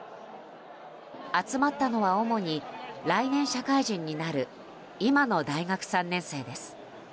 集まったのは主に来年社会人になる今の大学３年生です。